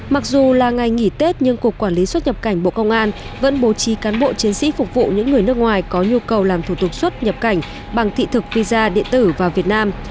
mặc dù là ngày nghỉ tết nhưng cục quản lý xuất nhập cảnh bộ công an vẫn bố trí cán bộ chiến sĩ phục vụ những người nước ngoài có nhu cầu làm thủ tục xuất nhập cảnh bằng thị thực visa điện tử vào việt nam